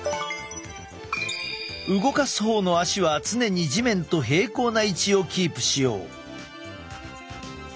動かす方の足は常に地面と平行な位置をキープしよう。